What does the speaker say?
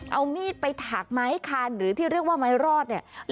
เอามีดไปถากไม้คันหรือที่เรียกว่าไม้รอดเนี่ย